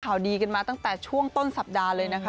ข่าวดีกันมาตั้งแต่ช่วงต้นสัปดาห์เลยนะคะ